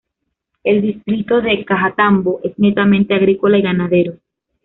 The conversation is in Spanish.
El distrito de Cajatambo es netamente agrícola y ganadero.